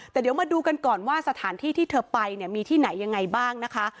แต่เดี๋ยวมาดูกันก่อนว่าสถานที่ที่เธอไปเนี่ยมีที่ไหนยังไงบ้างนะคะ